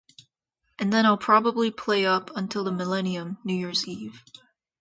And then I'll probably play up until the millennium, New Year's Eve.